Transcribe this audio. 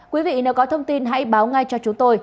quý vị nếu có thông tin hãy báo ngay cho chúng tôi